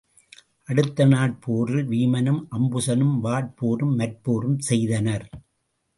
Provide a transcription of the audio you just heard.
அடுத்த நாட் போரில் வீமனும் அம்புசனும் வாட் போரும் மற்போரும் செய்தனர்.